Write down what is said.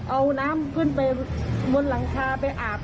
เอาน้ำขึ้นไปบนหลังคาไปอาบ